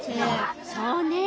そうね。